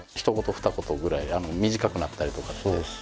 二言ぐらい短くなったりとかって。